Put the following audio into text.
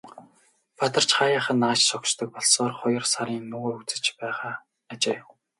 Бадарч хааяахан нааш шогшдог болсоор хоёр сарын нүүр үзэж байгаа ажээ.